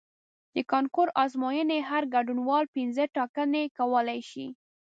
د کانکور ازموینې هر ګډونوال پنځه ټاکنې کولی شي.